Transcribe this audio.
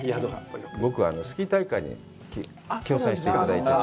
僕はスキー大会、協賛していただいて。